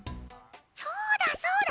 そうだそうだ！